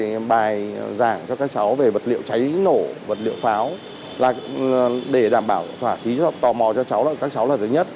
có những bài giảng cho các cháu về vật liệu cháy nổ vật liệu pháo để đảm bảo thỏa chí tò mò cho các cháu là thứ nhất